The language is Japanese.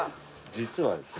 実はですね。